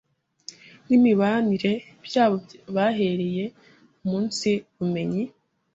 n’imibanire byabo bahereye umunsi bumenyi